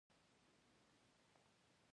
او له ټولو سندونو سره يوه کارنامه تخليق کړي.